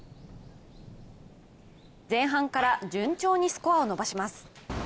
前半から順調にスコアを伸ばします。